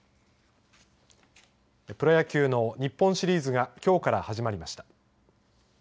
プロ野球の日本シリーズがきょうから始まりました。